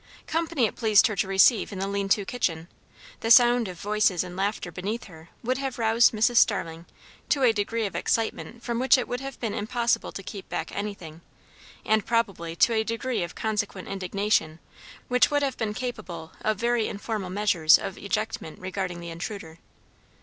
Company it pleased her to receive in the lean to kitchen; the sound of voices and laughter beneath her would have roused Mrs. Starling to a degree of excitement from which it would have been impossible to keep back anything; and probably to a degree of consequent indignation which would have been capable of very informal measures of ejectment regarding the intruder.